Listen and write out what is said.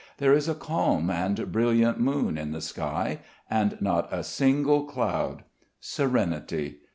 There is a calm and brilliant moon in the sky and not a single cloud. Serenity.